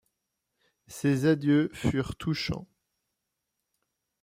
Ses adieux furent touchants.